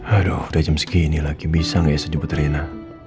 aduh udah jam segini lagi bisa nggak ya saya sebut rena